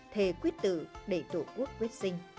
thề quyết tử để tổ quốc quyết sinh